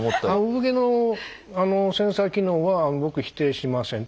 産毛のセンサー機能は僕否定しません。